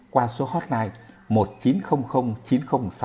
qua số hotline một chín không không chín không sáu tám